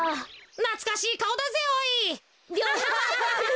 なつかしいかおだぜおい。